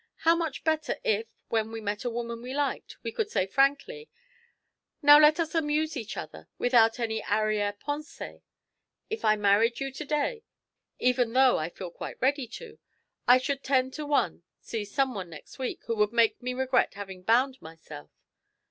How much better if, when we met a woman we liked, we could say frankly, 'Now let us amuse each other without any arriere pensee. If I married you to day, even though I feel quite ready to, I should ten to one see some one next week who would make me regret having bound myself.